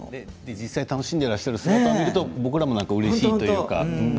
実際楽しんでいる姿を見てると僕らもうれしいというか。